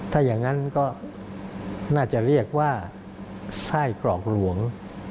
ถ้าอย่างนั้นก็น่าจะเรียกว่าไส้กรอกหลวง